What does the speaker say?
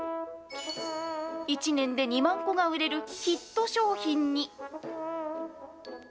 １年で２万個が売れるヒット商品に。